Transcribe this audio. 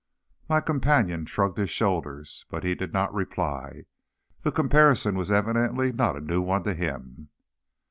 My companion shrugged his shoulders, but did not reply. The comparison was evidently not a new one to him.